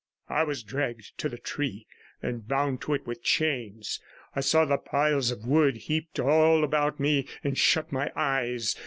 I was dragged to the tree and bound to it with chains; I saw the piles of wood heaped all about me, and shut my eyes.